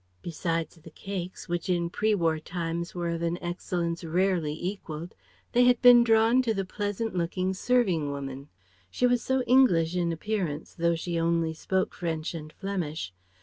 Besides the cakes, which in pre war times were of an excellence rarely equalled, they had been drawn to the pleasant looking serving woman. She was so English in appearance, though she only spoke French and Flemish.